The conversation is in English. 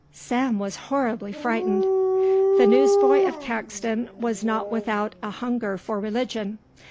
Sam was horribly frightened. The newsboy of Caxton was not without a hunger for religion.